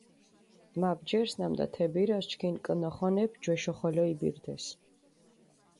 მა ბჯერს, ნამდა თე ბირას ჩქინ კჷნოხონეფი ჯვეშო ხოლო იბირდეს.